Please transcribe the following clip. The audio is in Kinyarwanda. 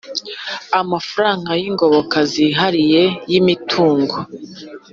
Amafaranga y’ingoboka zihariye y’imitungo